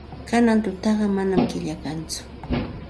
Kanan tutaqa manam killa kanchu.